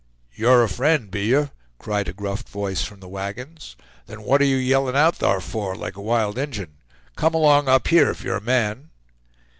"You're a friend, be you?" cried a gruff voice from the wagons; "then what are you yelling out thar for, like a wild Injun. Come along up here if you're a man."